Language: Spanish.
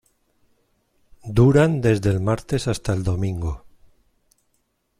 Duran desde el martes hasta el domingo.